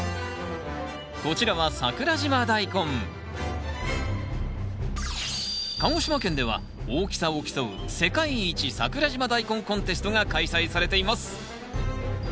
こちらは鹿児島県では大きさを競う世界一桜島大根コンテストが開催されています。